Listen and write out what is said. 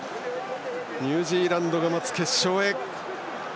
ニュージーランドが待つ決勝へ。